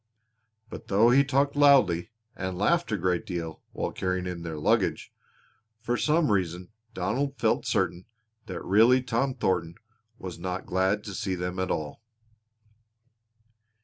But though he talked loudly, and laughed a great deal while carrying in their luggage, for some reason Donald felt certain that really Tom Thornton was not glad to see them at all.